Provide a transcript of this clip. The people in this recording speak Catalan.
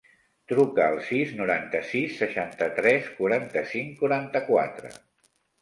Truca al sis, noranta-sis, seixanta-tres, quaranta-cinc, quaranta-quatre.